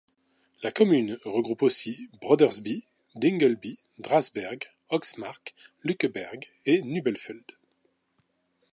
La commune regroupe aussi Brodersby, Dingelby, Drasberg, Höxmark, Lückeberg et Nübbelfeld.